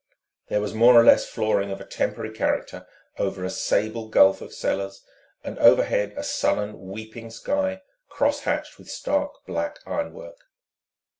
There was more or less flooring of a temporary character over a sable gulf of cellars, and overhead a sullen, weeping sky cross hatched with stark black ironwork.